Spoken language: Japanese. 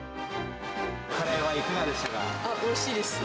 カレーはいかがでしたか？